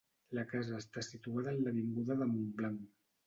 La casa està situada en l'avinguda de Montblanc.